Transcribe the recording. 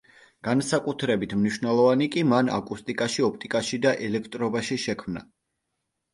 განსაკუთრებით მნიშვნელოვანი კი მან აკუსტიკაში, ოპტიკაში, და ელექტრობაში შექმნა.